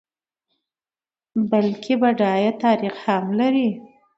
بلکه بډایه تاریخ هم لري.